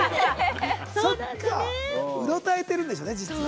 実はうろたえてるんでしょうね。